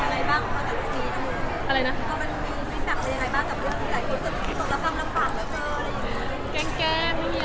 มีสิทธิ์แปลกอะไรบ้างกับบุคคลไว้ตรงละคร่ำลำบากหรือเปล่า